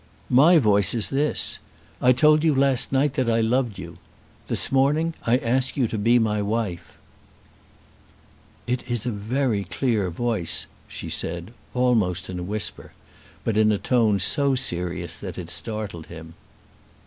"My voice is this. I told you last night that I loved you. This morning I ask you to be my wife." "It is a very clear voice," she said, almost in a whisper; but in a tone so serious that it startled him.